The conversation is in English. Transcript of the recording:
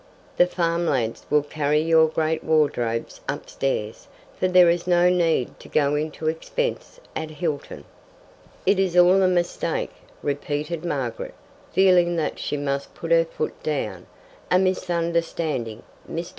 The farm lads will carry your great wardrobes upstairs, for there is no need to go into expense at Hilton." "It is all a mistake," repeated Margaret, feeling that she must put her foot down. "A misunderstanding. Mr.